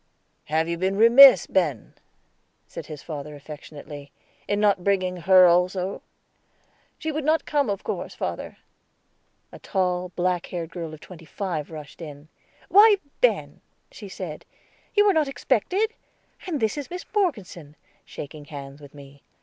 "Have you been remiss, Ben," said his father affectionately, "in not bringing her also?" "She would not come, of course, father." A tall, black haired girl of twenty five rushed in. "Why, Ben," she said, "you were not expected. And this is Miss Morgeson," shaking hands with me.